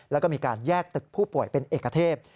แล้วก็มีการแยกตึกผู้ป่วยเป็นเอกเทพ